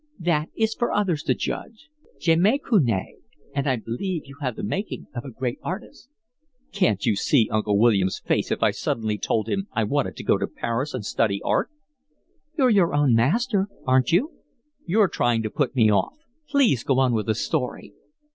"That is for others to judge. Je m'y connais, and I believe you have the making of a great artist." "Can't you see Uncle William's face if I suddenly told him I wanted to go to Paris and study art?" "You're your own master, aren't you?" "You're trying to put me off. Please go on with the story."